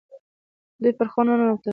دوی پر خونه ننوتل.